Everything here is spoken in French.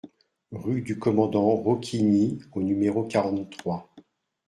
Rue du Commandant Roquigny au numéro quarante-trois